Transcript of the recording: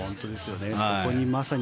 そこにまさに